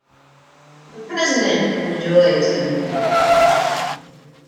The President enjoys immunity.